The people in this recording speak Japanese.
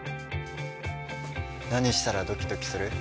「何したらドキドキする？」。